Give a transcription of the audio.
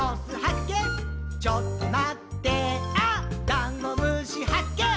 ダンゴムシはっけん